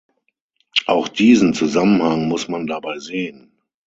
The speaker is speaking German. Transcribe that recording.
Auch diesen Zusammenhang muss man dabei sehen.